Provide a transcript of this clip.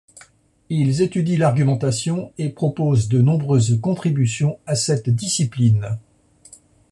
Ils étudient l'argumentation et proposent de nombreuses contributions à cette discipline.